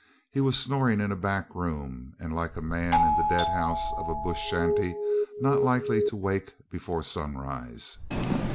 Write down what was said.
He was snoring in a back room, and, like a man in the deadhouse of a bush shanty, not likely to wake before sunrise.